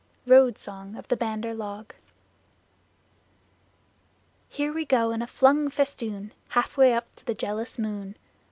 Road Song of the Bandar Log Here we go in a flung festoon, Half way up to the jealous moon!